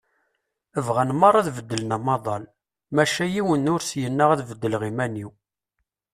Bɣan merra ad beddlen amaḍal, maca yiwen ur s-yenna ad beddleɣ iman-iw.